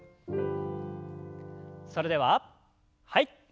それでははい。